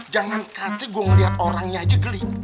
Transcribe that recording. jangan kata gue ngeliat orangnya aja geli